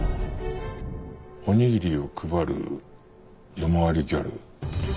おにぎりを配る夜回りギャル。